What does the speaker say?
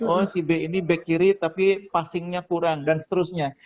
oh si b ini back kiri tapi passingnya kurang dan seterusnya